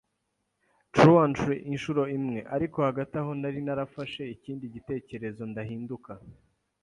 truantry inshuro imwe, ariko hagati aho nari narafashe ikindi gitekerezo ndahinduka